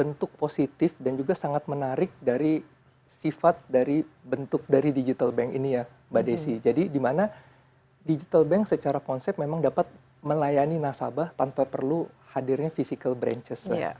bentuk positif dan juga sangat menarik dari sifat dari bentuk dari digital bank ini ya mbak desi jadi dimana digital bank secara konsep memang dapat melayani nasabah tanpa perlu hadirnya physical branchess